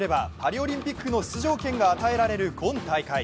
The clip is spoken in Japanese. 優勝すればパリオリンピックの出場権が与えられる今大会。